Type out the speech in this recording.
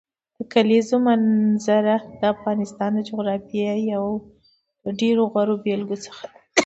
د کلیزو منظره د افغانستان د جغرافیې یو له ډېرو غوره بېلګو څخه ده.